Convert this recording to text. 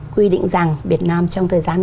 quy định rằng việt nam trong thời gian